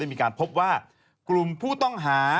มีการพบว่ากลุ่มผู้ต้องหา